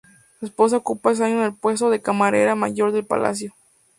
Su esposa ocupa ese año el puesto de Camarera mayor de palacio.